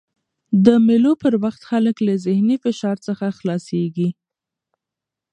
د مېلو پر وخت خلک له ذهني فشار څخه خلاصيږي.